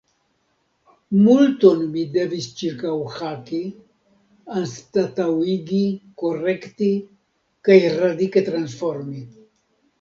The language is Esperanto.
Multon mi devis ĉirkaŭhaki, anstataŭigi, korekti kaj radike transformi.